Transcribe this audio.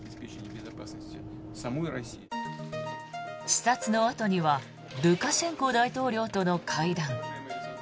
視察のあとにはルカシェンコ大統領との会談。